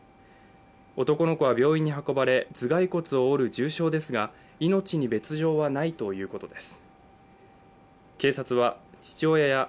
男の子は病院に運ばれ、頭蓋骨を折る重傷ですが命に別状はないということです。